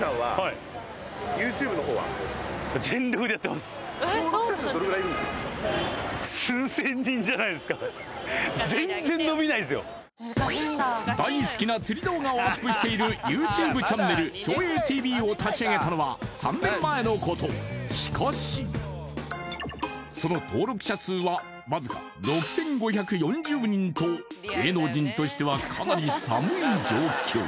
はい大好きな釣り動画をアップしているＹｏｕＴｕｂｅチャンネル照英ＴＶを立ち上げたのは３年前のことしかしその登録者数はわずか６５４０人と芸能人としてはかなり寒い状況